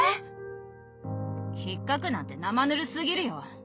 ひっかくなんてなまぬるすぎるよ。